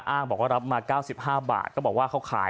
อ้างบอกว่ารับมา๙๕บาทก็บอกว่าเขาขาย